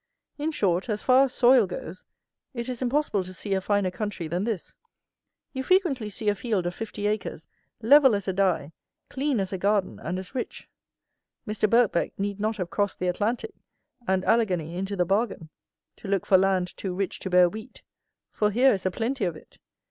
In short, as far as soil goes, it is impossible to see a finer country than this. You frequently see a field of fifty acres, level as a die, clean as a garden and as rich. Mr. Birkbeck need not have crossed the Atlantic, and Alleghany into the bargain, to look for land too rich to bear wheat; for here is a plenty of it.